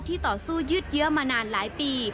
ต่อสู้ยืดเยอะมานานหลายปี